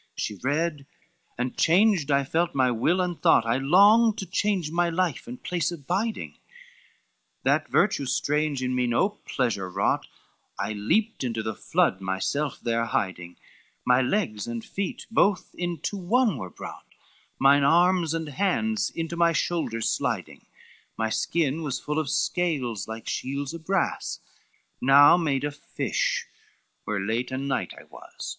LXVI "She read, and change I felt my will and thought, I longed to change my life, and place of biding, That virtue strange in me no pleasure wrought, I leapt into the flood myself there hiding, My legs and feet both into one were brought, Mine arms and hands into my shoulders sliding, My skin was full of scales, like shields of brass, Now made a fish, where late a knight I was.